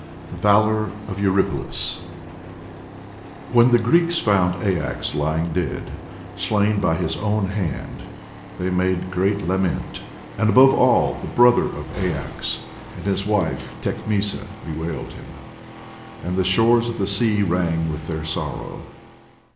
THE VALOUR OF EURYPYLUS When the Greeks found Aias lying dead, slain by his own hand, they made great lament, and above all the brother of Aias, and his wife Tecmessa bewailed him, and the shores of the sea rang with their sorrow.